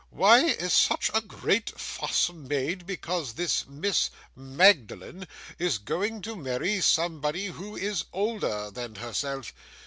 Why is such a great fuss made because this Miss Magdalen is going to marry somebody who is older than herself?